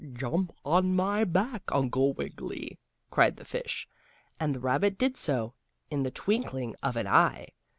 "Jump on my back, Uncle Wiggily!" cried the fish, and the rabbit did so, in the twinkling of an eye.